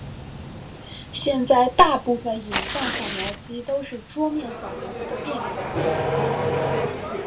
现在大部份影像扫描机都是桌面扫描机的变种。